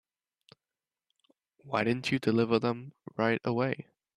Why didn't you deliver them right away?